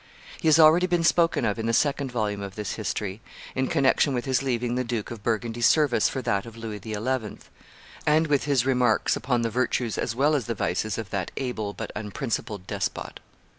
He has already been spoken of in the second volume of this History, in connection with his leaving the Duke of Burgundy's service for that of Louis XI., and with his remarks upon the virtues as well as the vices of that able but unprincipled despot.